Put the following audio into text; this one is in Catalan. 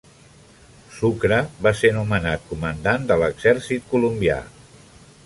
Sucre va ser nomenat comandant de l'exèrcit colombià.